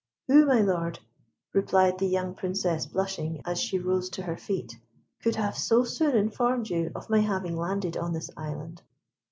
"Who, my Lord," replied the young Princess, blushing, as she rose to her feet, "could have so soon informed you of my having landed on this island?"